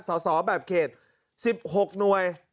สอบแบบเขต๑๖หน่วย